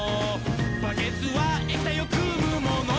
「バケツは液体をくむもの」